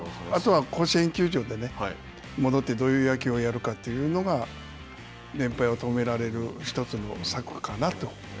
あとは、甲子園球場で戻ってどういう野球をやるかというのが連敗を止められる一つの策かなと。